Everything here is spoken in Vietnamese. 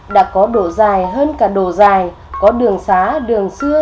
đã có độ dài hơn cả đồ dài có đường xá đường xưa